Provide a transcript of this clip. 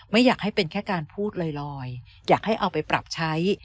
ไม่อยากให้เป็นแค่การพูดลอยอยากให้เอาไปปรับใช้